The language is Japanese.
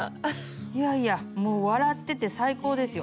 いやいやもう笑ってて最高ですよ。